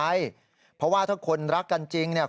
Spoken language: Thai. เพราะว่าถ้าคนรักกันจริงเนี่ย